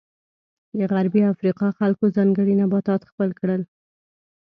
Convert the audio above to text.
د غربي افریقا خلکو ځانګړي نباتات خپل کړل.